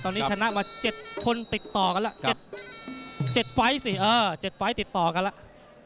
ตอนนี้ชนะมา๗คนติดต่อกันแล้ว๗ไฟล์สิ๗ไฟล์ติดต่อกันแล้ว